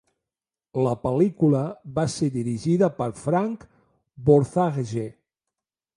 La pel·lícula va ser dirigida per Frank Borzage.